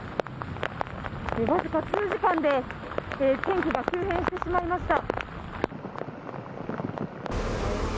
わずか数時間で天気が急変してしまいました。